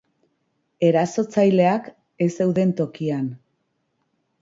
Erasotzaileak ez zeuden tokian.